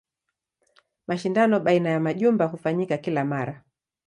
Mashindano baina ya majumba hufanyika kila mara.